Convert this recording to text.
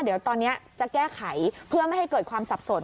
เดี๋ยวตอนนี้จะแก้ไขเพื่อไม่ให้เกิดความสับสน